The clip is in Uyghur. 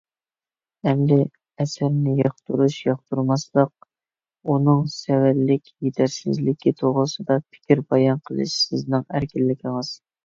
ئەمدى ئەسەرنى ياقتۇرۇش – ياقتۇرماسلىق، ئۇنىڭ سەۋەنلىك، يېتەرسىزلىكى توغرىسىدا پىكىر بايان قىلىش سىزنىڭ ئەركىنلىكىڭىز.